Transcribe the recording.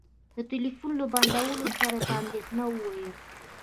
د ټلفون له بندولو سره يې په اندېښنه وويل.